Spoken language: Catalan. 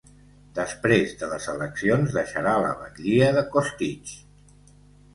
Després de les eleccions deixarà la batlia de Costitx.